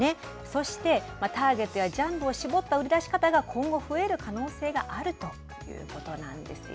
そして、ターゲットやジャンルを絞った売り出し方が今後増える可能性があなるほど。